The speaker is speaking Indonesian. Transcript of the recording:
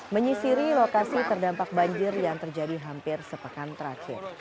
menyisiri lokasi terdampak banjir yang terjadi hampir sepekan terakhir